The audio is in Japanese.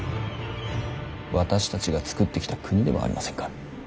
私たちが作ってきた国ではありませんか。